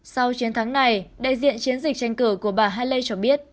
sau chiến thắng này đại diện chiến dịch tranh cử của bà haley cho biết